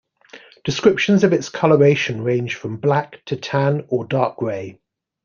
Descriptions of its coloration range from black to tan or dark grey.